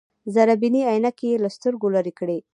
ذره بيني عينکې يې له سترګو لرې کړې.